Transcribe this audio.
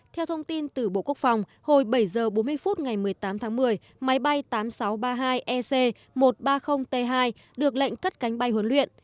theo thông tin từ bộ quốc phòng hồi bảy h bốn mươi phút ngày một mươi tám tháng một mươi máy bay tám nghìn sáu trăm ba mươi hai ec một trăm ba mươi t hai được lệnh cất cánh bay huấn luyện